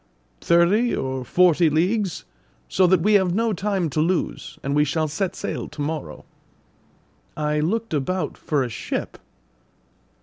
"Thirty or forty leagues; so that we have no time to lose, and we shall set sail to morrow." I looked about for a ship.